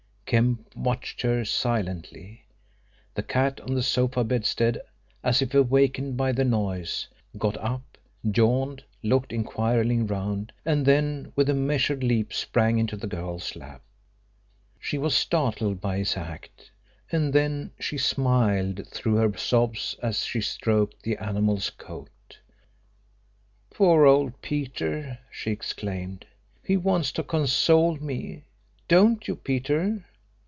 Kemp watched her silently. The cat on the sofa bedstead, as if awakened by the noise, got up, yawned, looked inquiringly round, and then with a measured leap sprang into the girl's lap. She was startled by his act and then she smiled through her sobs as she stroked the animal's coat. "Poor old Peter!" she exclaimed. "He wants to console me! don't you, Peter?